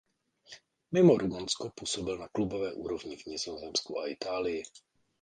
Mimo Rumunsko působil na klubové úrovni v Nizozemsku a Itálii.